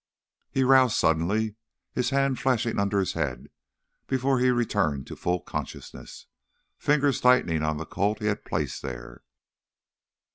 He roused suddenly, his hand flashing under his head before he returned to full consciousness, fingers tightening on the Colt he had placed there.